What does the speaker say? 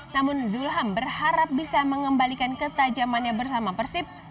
namun zulham berharap bisa mengembalikan ketajamannya bersama persib